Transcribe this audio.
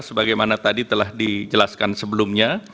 sebagaimana tadi telah dijelaskan sebelumnya